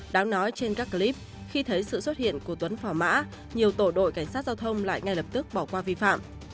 đáng nói trên các clip khi thấy sự xuất hiện của tuấn phỏ mã nhiều tổ đội cảnh sát giao thông lại ngay lập tức bỏ qua vi phạm